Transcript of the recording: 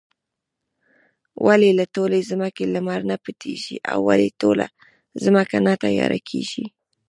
ولې له ټولې ځمکې لمر نۀ پټيږي؟ او ولې ټوله ځمکه نه تياره کيږي؟